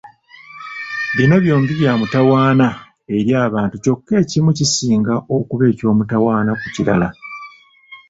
Bino byombi bya mutawaana eri abantu kyokka ekimu kisinga okuba eky’omutawaana ku kirala.